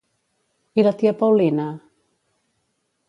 I la tia Paulina?